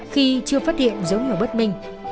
khi chưa phát hiện dấu hiệu bất ngờ